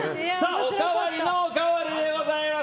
おかわりのおかわりでございます。